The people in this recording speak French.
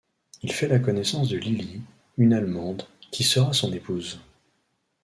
Il fait la connaissance de Lilli, une Allemande, qui sera son épouse.